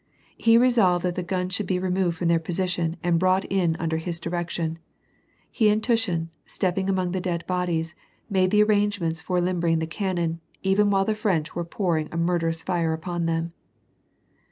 He resolved that the guns should be removed from their position and brought in under his direction. He and Tushin, stepping among the dead bodies, made the arrangements for limbering the cannon, even while the French were pouring a murderous fire upon them.